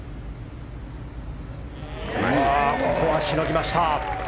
ここはしのぎました。